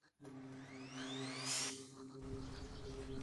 শুধু সুন্দরবন কেন, বন ও গাছপালার সঙ্গে যেন আমাদের আদিম বৈরিতা।